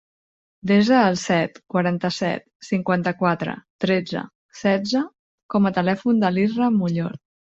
Desa el set, quaranta-set, cinquanta-quatre, tretze, setze com a telèfon de l'Israa Mullor.